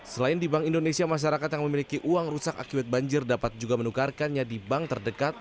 selain di bank indonesia masyarakat yang memiliki uang rusak akibat banjir dapat juga menukarkannya di bank terdekat